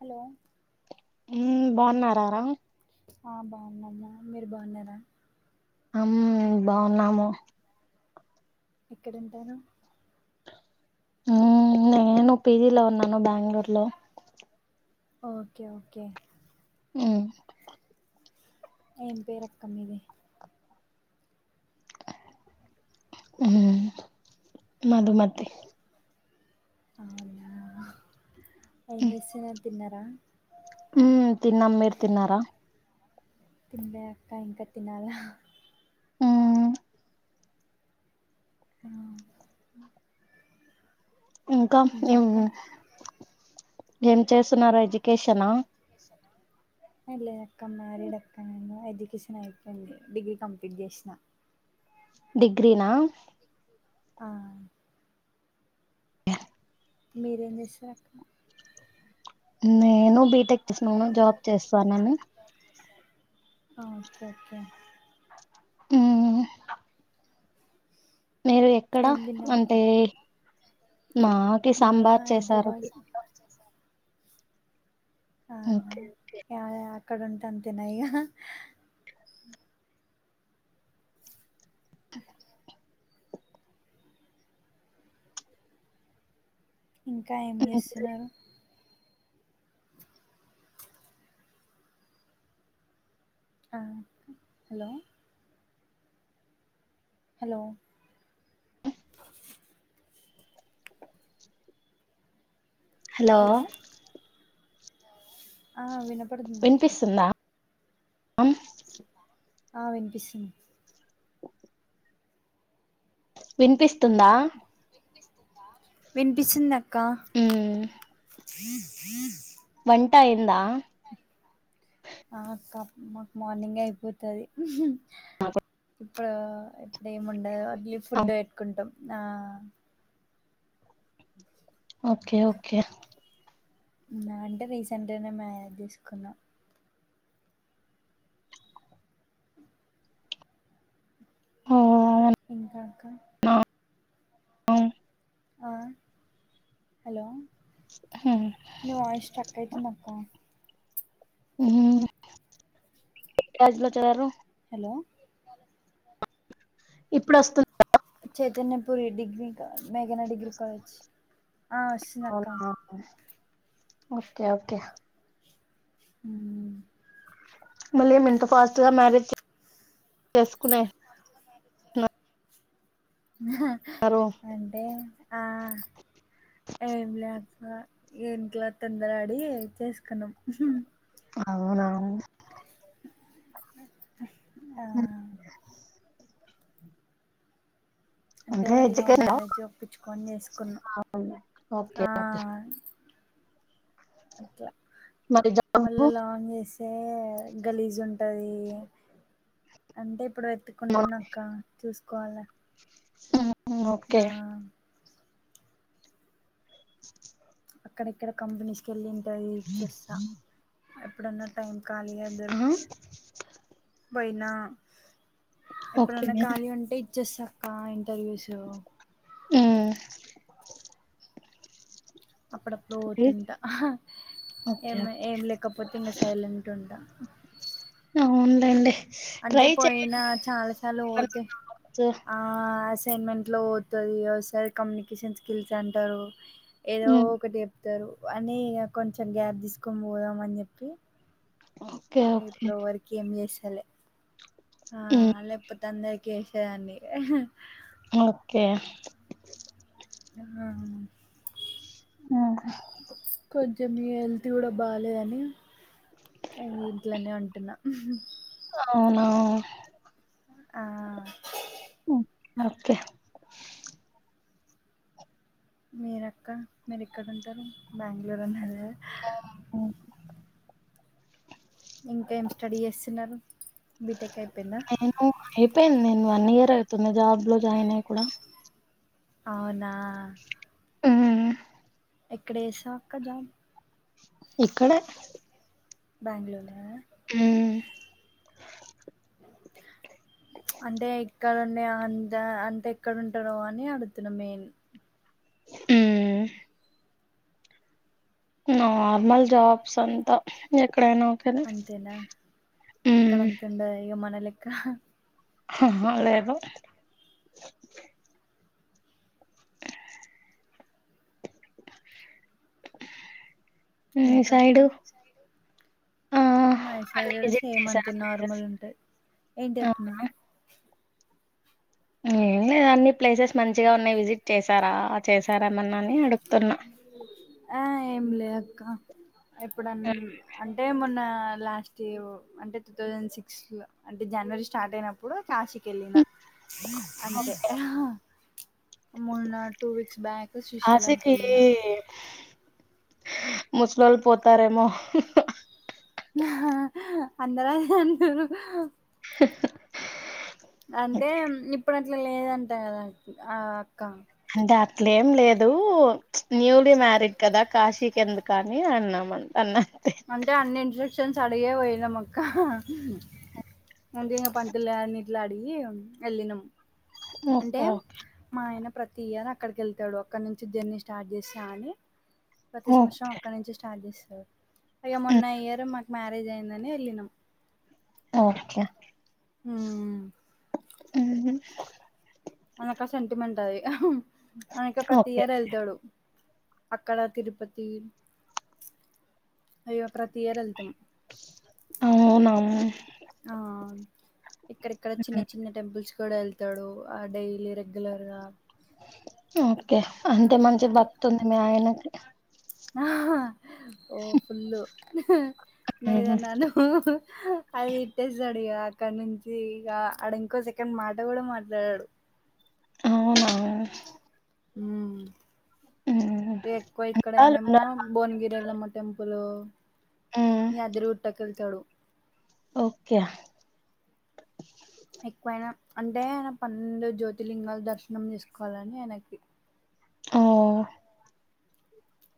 Hello బావున్నరారా? ఆ బావున్నము. మీరు బావున్నరా? అమ్మూ బావున్నాము. ఎక్కడుంటారు? నేను పీజి లో ఉన్నాను బ్యాంగ్ళూర్లో. ఓకే ఓకే హ్ ఏం పేరు అక్క మీది? మధుమతి అవునా ఏం చేస్తున్నరు? తిన్నరా? తిన్నం, మీరు తిన్నరా? తిన్లే అక్క ఇంకా తినాలా. హ్ ఆ ఆ ఇంకా ఏం ఏం చేస్తున్నారు అజి ఎ లేదక్కా మ్యారీడ్ అక్క నేను, ఎడ్యుకేషన్ అయి డిగ్రీ కంప్లీట్ చేసి డిగ్రీనా ఆ మీరేం చేస్తరు అక్క నేను బీటెక్ చేసినాను జాబ్ చేస్తున్నాను ఓకే ఓకే ఉమ్ మీరు ఎక్కడ ఏం తిన్నావు అక్క అంటే మాకి మేమా సాంబార్ చేశారు హైదరాబాద్ ఉ అవునా యా యా అక్కడ ఉంటే అంతేనా ఇగ అ ఇంకా ఏం చేస్తున్నారు ఆ హలో హలో హలో ఆ వినపడు వినిపిస్తుందా ఆ వినిపిస్తుంది వినిపిస్తుందా వినిపిస్తుందక్క మ్మ్ వంటయంద ఆ మాకు మార్నింగే అయిపోతది మాకు కూడా [unintelligible] ఇప్పుడు ఇప్పుడేమిండదు ఓన్లీ ఫుడ్ పెట్టుకుంటాం ఆ ఓకే ఓకే అంటే రీసెంట్గానే మ్యారేజ్ చేసుకున్నాం ఆ ఇంకా అక ఆ హలో హ నీ వాయిస్ స్ట్రక్ అవుతుంది అక్క ఉమ్ ఏ కాలేజీలో [unintelligible] హలో ఇప్పుడు వస్తుం చైతన్యపురి డిగ్రీ మేఘనా డిగ్రీ కాలేజ్ అక్క అవునా ఓకే ఓకే అ మళ్ళీమి ఇంత ఫాస్ట్ గా మ్యారేజ్ చేసుకు ఆ నారు అంటే ఆ ఏం లేక అక్క ఇంట్లో తొందరపడి చేసుకున్నాం అవునా ఆ హ అంటే లవ్ మ్యారేజ్ ఒప్పించుకొని చేసుకున్నాం ఓకే ఆ అట్ల మరి జాబ్ మత్ ఇ లాంగ్ చేస్తే గలీజ్ ఉంటది అంటే ఇప్పుడు వెతుకుంటున్నాక్క చూసుకోవల్ల అహ్ నా అక్కడెక్కడ కంపెనీస్కిళ్ళి ఇంటర్వూ ఇచ్చస్సా ఎప్పుడన్నా టైమ్ ఖాళీగా ఆ! దొరుతె బోయినా ఓకే ఎప్పుడన్నా ఖాళీ ఉంటే ఇచ్చేస్స ఆ ఇంటర్వ్యూసు ఊమ్ అప్పుడప్పుడు రైట్. వోతుంటా అహ్ ఓకే ఏమె ఏం లేకపోతే ఇంగ సైలెంట్ ఉంటా ఔన్లెండి అంటే పోయినా చాలా సార్లు చేయండి ఓతే జాబ్స్. అ ఆ అసైన్మెంట్లో ఓతది ఒసారి కమ్యూనికేషన్ స్కిల్స్ అంటారు ఏదో హ్మ్. ఒకటి చెప్తారు అని ఇగ కొంచెం గ్యాప్ దీసుకొని వోదాం అన్ జెప్పి ఓకే ఇ ఓకే ఇప్పుడు వర్క్ ఏం జేస్సలే ఆ హ్మ్. లేక్ పోతే అందరికి ఏసేదన్ని హ్ ఓకే ఆ అ హ్ కొంచెం మీ హెల్త్ ఉడా బాలే అని అ ఇంట్లనే ఉంటున్నా ఉహ్మ్ అవునా ఆ ఓక్ ఓకే మీరక్క మీర్ ఇక్కడుంటారు బాంగళూరన్నారు గద అ ఇంకా ఏం స్టడీ చేస్తున్నారు బీటెక్ అయిపోయిందా ఉ అయిపోయింద్ నేన్ వన్ ఇయర్ అవుతుంది జాబ్ లో జాయిన్ అయ్ కూడా ఆవునా ఉమ్, ఎక్కడేసవక్కా జాబ్ ఇక్కడే బెంగళూర ఊమ్ అంటేక్ కరన్నే ఆన్తా అంతెక్కరుంటారో అని అడుగుతున్నా మెయిన్ ఊమ్ నార్మల్ జాబ్స్ అంతా ఎక్కడైనా ఓకేనా అంతేనా అక్కడ్ ఉమ్, అంతుండద ఇగ మన లెక్క అహ్హ లేదు ఈ ఇంకాక్క సైడు ఆ ఐ మై సైడ్ అన్ని కూడా విజిట్ సేమ్ చేశారా అంతే ప్లేసెస్ నార్మల్ ఉంటది ఏంటిదక్క మన్ ఇంగ్ ఏం లేదన్ని ప్లేసెస్ మంచిగా ఉన్నాయ్ విజిట్ చేసారా చేసారేమన్నాని అడుక్ తున్నా ఆ ఏంలే అక్క ఎప్పుడం అంటే మొన్న లాస్ట్ ల అంటే టూ థౌజండ్ సిక్స్ ల అంటే జనవరి స్టార్ట్ అయినప్పుడు కాశీకి ఎళ్ళిన అంతే మొన్న టూ వీక్స్ బ్యాక్ శ్రీశైలం కాశీకి కెళ్ళిన ముసలోళ్ళు పోతారేమో అందరదే అంటుర్రు అంటే ఉమ్ ఇప్పుడట్ల లేదంటా కదా ఆ అక్క అంటే అట్లేం లేదు న్యూలీ మ్యారీడ్ కదా కాశీకెందుకుని అన్నామన్ అన్న అంతే అంటే అన్ని ఇన్స్ట్రక్షన్స్ అడిగే పోయినమక్క అంటిగా పంతులు గారిని గిట్ల అడిగి ఎళ్ళినం అంటే ఓకే మా ఆయన ప్రత్ తీయని అక్కడికెళ్తడు అక్కడ్నుంచి జర్నీ స్టార్ట్ చేస్త అని ప్రతి ఓకే సంవత్సరం అక్కడి నుంచి స్టార్ట్ జేస్తడు ఇగ మొన్న ఇయర్ మాకు మ్యారేజ్ అయిందని ఎళ్ళినం ఓకే ఉమ్ హ్ ఆనకది సెంటిమెంట్ అది అందుకే ప్రతి ఓకే ఇయర్ ఎళ్తడు అక్కడ తిరుపతి ఇగ ప్రతి ఇయర్ ఎల్తం అవునా ఆ ఇక్కడిక్కడ చిన్న చిన్ న్న టెంపుల్స్ కూడ ఎళ్తడు ఆ డైలీ రెగ్యులర్ గా ఓకే అంత మంచి బక్తుంది మీ ఆయనకి ఆ ఓ ఫుళ్ళు నువ్ ఉమ్, ఏదన్న అనూ ఆడ తిట్టేస్తడిగ ఇగా అక్కడ్నుంచి ఇగా ఆడ ఇంకో సెకన్ మాట కూడ మాట్లాడడు అవునా మ్ ఎక్కువ చాలు ఇక్కడేనేమో బోన్గిరి ఎలమ్మ టెంపులూ, యాదిరిగుట్టకు ఎళ్తడు ఓకే ఎక్కువాయన అంటే ఆయన పన్నెండు జ్యోతిర్లింగాలు దర్శనం చేసుకోవాలని ఆయనకి ఓ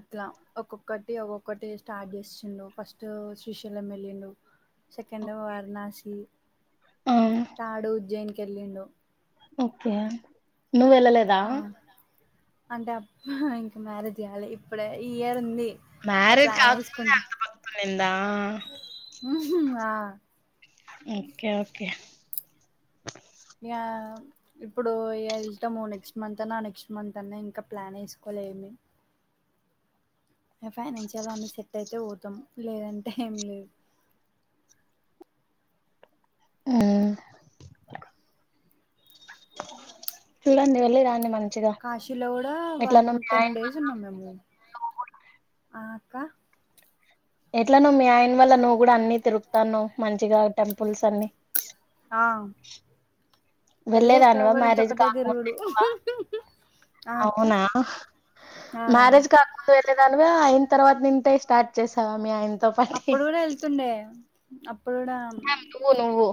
అట్లా ఒక్కొక్కటి ఒక్కొక్కటి స్టార్ట్ జేసిండు ఫస్ట్ శ్రీశైలం ఎల్లిండు సెకండెమో వారణాషి అవున తార్డ్ ఉజ్జయిని కెళ్ళిండు ఓకే నువ్ వెళ్ళలేద్ ఆ అంటే అప్ ఇంక మ్యారేజ్ గాలె ఇప్పుడయి ఈ ఇయర్ ఉంది ఇగ మరేజ్ ప్లాన్ కాకముందే ఏసుకుంట్ అంత భక్తుడైండా ఆ ఓకే ఓకే ఇయా ఇప్పుడు ఎళ్తాము నెక్స్ట్ మంత్ అన్నా, ఆ నెక్స్ట్ మంత్ అన్నా ఇంక ప్లాన్ ఏసుకోలే ఏమి ఫైనాన్షియల్ అన్ని సెట్ అయితే పోతం లేదంటే ఏం లేదు ఉమ్ హ్ చూడండి వెళ్ళి రాండి మరి కాశీలో గూడా వన్ టెన్ డేస్ ఉన్నము మేము, ఆ అక్క ఎట్లా నువ్ మీ ఆయన వల్ల నువ్వు కూడా అన్ని తిరుగుతా ఉన్నావ్ మంచిగా టెంపుల్స్ అన్ని ఆ పెళ్లి వెళ్లేదానివా చేసుకోనప్పటి నుంచి మ్యారేజ్ ఒకటే కాకముందు తిరుగుడు. ఎక్కువ ఆ అక్క అవునా ఆ మ్యారేజ్ కాకముందు వెళ్లేదానివా అయిన తర్వాత నుంచి స్టార్ట్ చేసావా మీ ఆయనతో పాటు వస్తుండే అప్పుడు కూడా నువ్వు నువ్వు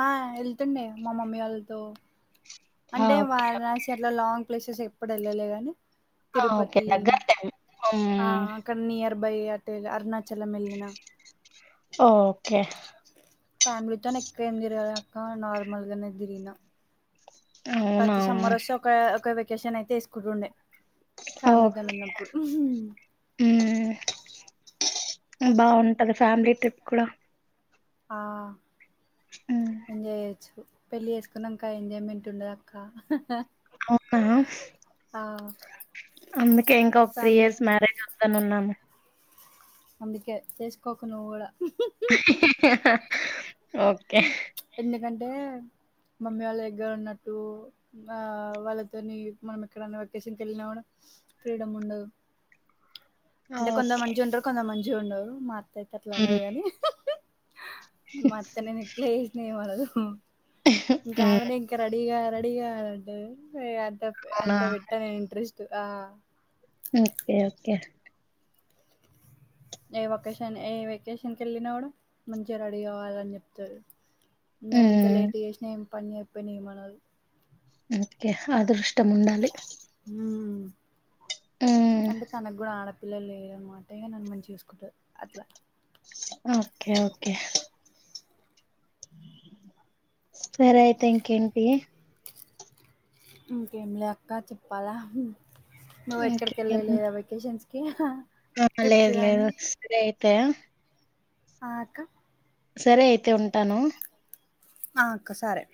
ఆ వెళ్తుండే మా మమ్మీ వాళ్ళతో ఆ అంటే ఓకే వారనాసి అట్లా లాంగ్ ప్లేసెస్ ఎప్పుడు వెళ్ళలే గాని ఆ ఓకే తిరుపతి దగ్గరదే ఆ హ్మ్ అక్కడ నియర్ బై అటే అరుణాచలం వెళ్ళినా ఓకే ఫ్యామిలీతోనే ఎక్క్వ ఏం తిరగలేదు అక్క నార్మల్గానే తిరిగిన అవునా ప్రతి సమ్మర్ వస్తే ఒక ఒక వెకేషన్ అయితే వేసుకుంటుండే ఫ్యామిలీతోని ఉన్నప్పుడు ఉమ్ బావుంటది ఫ్యామిలీ ట్రిప్ కూడా ఆ హ్మ్ ఎంజాయి చేయొచ్చు పెళ్ళి వేసుకున్నాంక ఎంజాయ్మెంట్ ఉండదు అక్క అవునా ఆ అందుకే ఇంకా ఒక త్రీ ఫ్యామిలీ ఇయర్స్ మ్యారేజ్ వద్దు అని అన్నాను అందుకే చేసుకోకు నువ్వు కూడా ఓకే ఎందుకంటే మమ్మీ వాళ్ళ దగ్గర ఉన్నట్టు ఆ వాళ్ళతోని మనం ఎక్కడన్నా వెకేషన్కి వెళ్ళినా కూడా ఫ్రీడమ్ ఉండదు అంటే కొందరు ఓకే మంచిగా ఉంటారు కొందరు మంచి ఉండరు మాత్తయితే అట్లా ఉండదు హ్మ్ గాని మా అత్త నేనెట్ల చేసిన ఎం అనదు ఇంకా హ్మ్ ఆమెనే ఇంకా రెడీగా రెడీగాడు అంత అంత అవునా పెట్ టెన్ ఇంట్రెస్ట్ ఆ ఓకే ఓకే ఏ వకేషన్ ఏ వెకేషన్కి వెళ్ళినా కూడా మంచిగా రెడీ కావాలని చెప్తారు నేను ఎంత హ్మ్ లేట్ చేసినా ఏం పని చెయ్యక పోయినా ఏమనరు ఓకే అదృష్టం ఉండాలి ఉమ్ హ్మ్ అంటే తనకు గుడా ఆడ పిల్లలు లేరు అన్నమాట ఇగ నన్ను మంచిగా చూసుకుంటారు అట్లా ఓకే ఓకే సరే అయితే ఇంకేంటి ఇంకేం లేక్క చెప్పాలా నువ్వు ఇంకే ఎక్కడికేళ్ళలేద వెకే కేషన్స్ కి ఆ లేదు లేదు సరే అయితే ఆ అక్క సరే అయితే ఉంటాను ఆ అక్క సరే